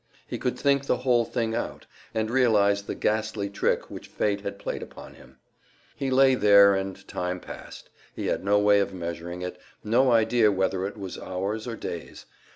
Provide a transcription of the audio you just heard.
He could think the whole thing out, and realize the ghastly trick which fate had played upon him. He lay there, and time passed; he had no way of measuring it, no idea whether it was hours or days.